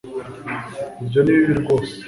Ibyo ni bibi rwose